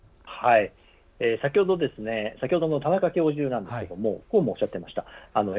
先ほどの田中教授なんですがこうもおっしゃってました。